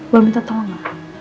boleh minta tolong gak